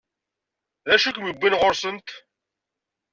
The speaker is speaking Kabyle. D acu i k-iwwin ɣur-sent?